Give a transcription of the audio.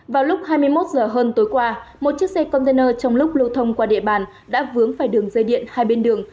vào lúc hai mươi một h hơn tối qua một chiếc xe container trong lúc lưu thông qua địa bàn đã vướng phải đường dây điện hai bên đường